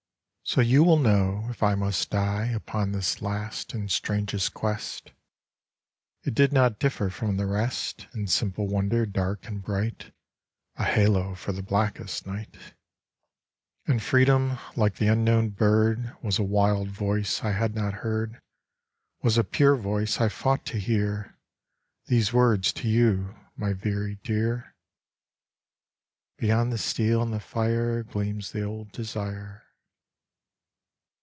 So you will know, if I must die Upon this last and strangest quest, It did not differ from the rest In simple wonder dark and bright, A halo for the blackest night : And freedom like the unknown bird Was a wild voice I had not heard, Was a pure voice I fought to hear ! These words to you, my very dear, Beyond the steel and the fire Gleams the old desire.